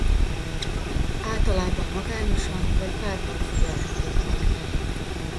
Általában magányosan vagy párban figyelhetők meg.